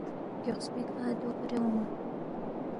گیوخسپی کھہ دو کُھورے اونگما